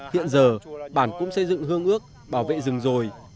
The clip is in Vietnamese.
hiện giờ bản cũng xây dựng hương ước bảo vệ rừng rồi